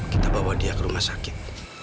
kita bawa dia ke rumah sakit